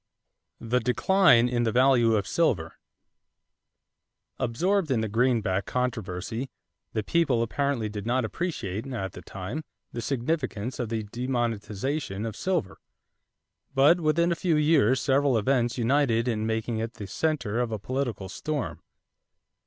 =The Decline in the Value of Silver.= Absorbed in the greenback controversy, the people apparently did not appreciate, at the time, the significance of the "demonetization" of silver; but within a few years several events united in making it the center of a political storm.